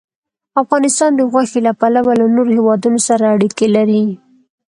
افغانستان د غوښې له پلوه له نورو هېوادونو سره اړیکې لري.